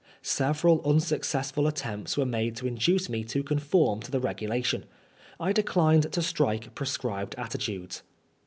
Several unsuccessful attempts were made to induce me to conform to the regulation. I declined to strike prescribed attitudes.